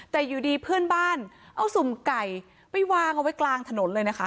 แต่อยู่ดีเพื่อนบ้านเอาสุ่มไก่ไปวางเอาไว้กลางถนนเลยนะคะ